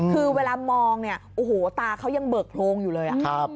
คือเวลามองเนี่ยโอ้โหตาเขายังเบิกโพรงอยู่เลย